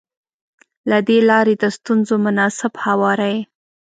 له دې لارې د ستونزو مناسب هواری.